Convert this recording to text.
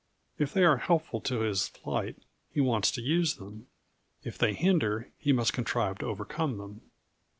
If they are helpful to his flight, he wants to use them; if they hinder, he must contrive to overcome them.